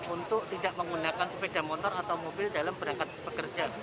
untuk tidak menggunakan sepeda motor atau mobil dalam berangkat bekerja